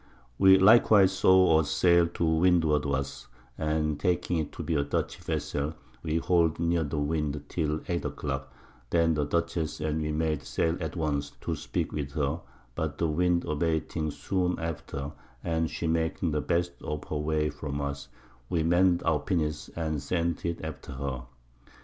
_ 240°. 21´´. We likewise saw a Sail to Windward of us, and taking it to be a Dutch Vessel, we hall'd nearer the Wind, till 8 a Clock, then the Dutchess and we made Sail at once, to speak with her, but the Wind abating soon after, and she making the best of her Way from us, we mann'd our Pinnace, and sent it after her.